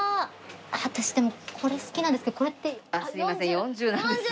私でもこれ好きなんですけどこれって。あっすいません４０なんです。